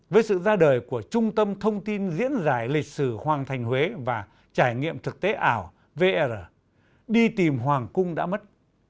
với sự ra đời của trung tâm thông tin diễn giải lịch sử hoàng thành huế và trải nghiệm thực tế ảo vr đi tìm hoàng cung đã mất